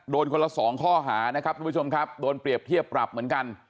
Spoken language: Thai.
คนละสองข้อหานะครับทุกผู้ชมครับโดนเปรียบเทียบปรับเหมือนกัน